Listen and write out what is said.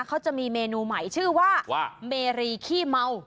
เขาจะมีเมนูใหม่ชื่อว่าเมรีขี้เมา